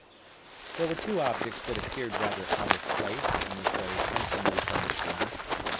There were two objects that appeared rather out of place in this very handsomely furnished room.